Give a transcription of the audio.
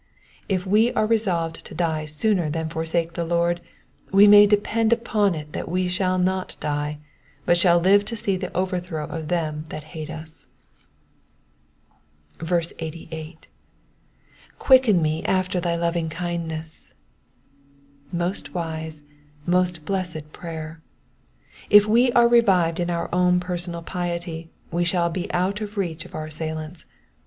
If we are resolved to die sooner than forsake the Lord, we may depend upon it that we shall not die, but shall live to see the overthrow of them that hate us. 88. ^^ Quicken me after thy lovingJcindness.'*^ Most wise, most blessed prayer 1 ' If we are revived in our own personal piety we shall be out of reach of our assailants.